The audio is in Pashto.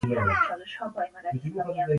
ملګری د همفکرۍ نښه ده